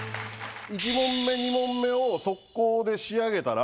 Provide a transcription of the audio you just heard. １問目２問目を速攻で仕上げたら。